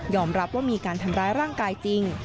รับว่ามีการทำร้ายร่างกายจริง